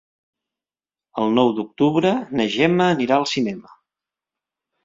El nou d'octubre na Gemma anirà al cinema.